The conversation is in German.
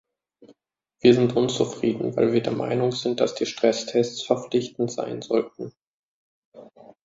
Wir sind unzufrieden, weil wir der Meinung sind, dass die Stresstests verpflichtend sein sollten.